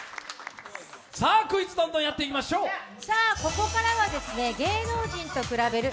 ここからは芸能人と比べる！